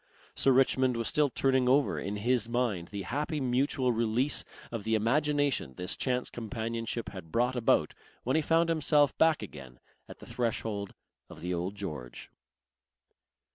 Sir Richmond was still turning over in his mind the happy mutual release of the imagination this chance companionship had brought about when he found himself back again at the threshold of the Old George.